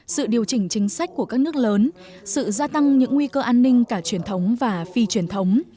sự điều chỉnh chính sách của các nước lớn sự gia tăng những nguy cơ an ninh cả truyền thống và phi truyền thống